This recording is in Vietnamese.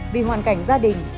vì hoàn cảnh gia đình